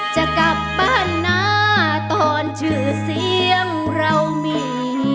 จะกลับประหณาตอนชื่อเสียงเรามี